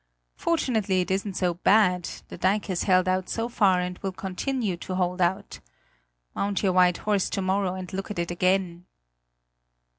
Fortunately it isn't so bad; the dike has held out so far and will continue to hold out. Mount your white horse to morrow and look at it again!"